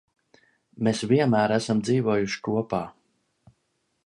Mēs vienmēr esam dzīvojuši kopā.